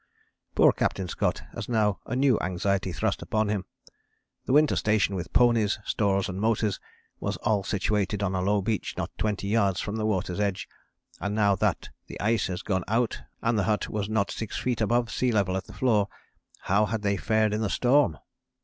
"Poor Captain Scott had now a new anxiety thrust upon him. The Winter Station with ponies, stores and motors was all situated on a low beach not twenty yards from the water's edge, and now that the ice had gone out (and the hut was not six feet above sea level at the floor) how had they fared in the storm?